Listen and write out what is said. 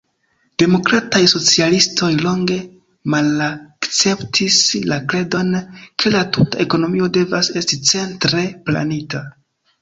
Demokrataj socialistoj longe malakceptis la kredon, ke la tuta ekonomio devas esti centre planita.